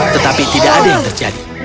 tetapi tidak ada yang terjadi